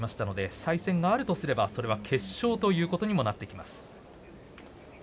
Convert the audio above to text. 再戦があるとすれば、それは決勝ということになります。